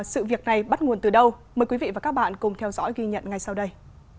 sự việc này bắt nguồn từ đâu mời quý vị và các bạn cùng theo dõi ghi nhận ngay sau đây